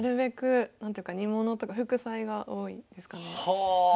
はあ！